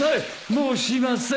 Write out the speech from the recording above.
もうしません！